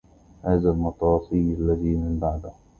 هذا النطاسي الذي من بعده